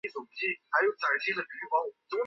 瓦永纳站是这一地区的一个重要交通枢纽。